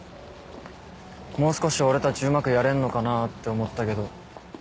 もう少し俺たちうまくやれんのかなって思ったけど。